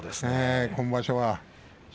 今場所は。